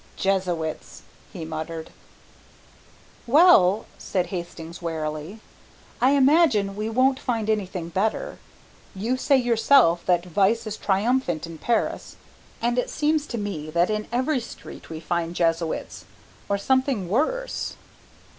"Jesuits," he muttered. "Well," said Hastings wearily, "I imagine we won't find anything better. You say yourself that vice is triumphant in Paris, and it seems to me that in every street we find Jesuits or something worse."